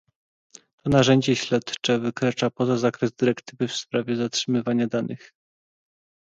To narzędzie śledcze wykracza poza zakres dyrektywy w sprawie zatrzymywania danych